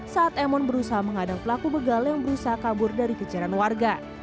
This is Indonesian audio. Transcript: saat emon berusaha mengadang pelaku begal yang berusaha kabur dari kejaran warga